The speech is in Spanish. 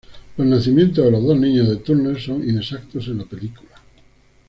Los nacimientos de los dos niños de Turner son inexactos en la película.